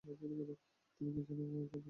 তুমি কি জানো ও কত বুদ্ধিমতী?